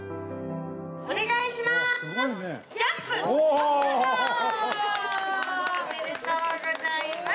お願いします！